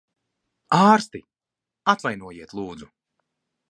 Ārsti! Atvainojiet, lūdzu.